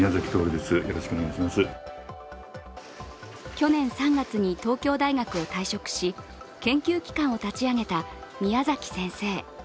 去年３月に東京大学を退職し、研究機関を立ち上げた宮崎先生。